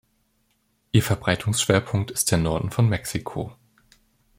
Ihr Verbreitungsschwerpunkt ist der Norden von Mexiko.